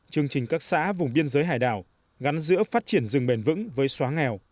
chương trình các xã vùng biên giới hải đảo gắn giữa phát triển rừng bền vững với xóa nghèo